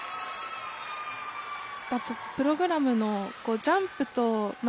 プログラムのジャンプとまあ